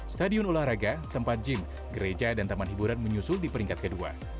stadion olahraga tempat gym gereja dan taman hiburan menyusul di peringkat kedua